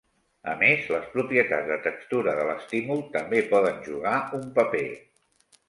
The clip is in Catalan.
A més, les propietats de textura de l'estímul també poden jugar un paper.